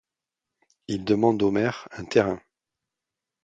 Il demande au Maire un terrain.